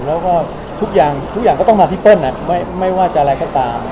แล้วทุกอย่างก็ต้องอย่างที่เปิ้ลเนี่ยไม่ว่าจะอะไรขอตาม